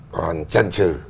còn chân trừ